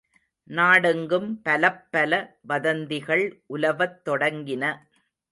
நாடெங்கும் பலப்பல வதந்திகள் உலவத் தொடங்கின.